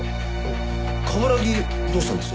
冠城どうしたんです？